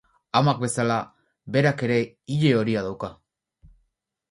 Amak bezala, berak ere ile horia dauka.